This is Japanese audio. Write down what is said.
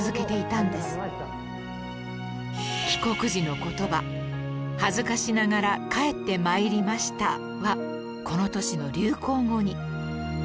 帰国時の言葉「恥ずかしながら帰って参りました」はこの年の流行語に